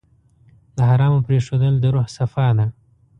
د حرامو پرېښودل د روح صفا ده.